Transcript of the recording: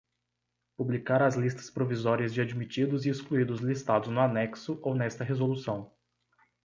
Publicar as listas provisórias de admitidos e excluídos listados no anexo ou nesta resolução.